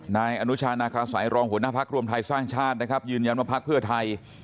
นายอนุชาณาคาไสรองค์หัวหน้าภักดิ์รวมไทยสร้างชาตินะครับยืนยันมาภักดิ์เพื่อไทย